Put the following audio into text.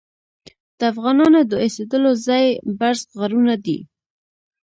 د افغانانو د اوسیدلو ځای برز غرونه دي.